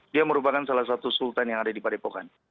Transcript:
dia merupakan salah satu sultan yang ada di padepokan